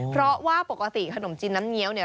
เพราะว่าปกติขนมจีนน้ำเงี้ยวเนี่ย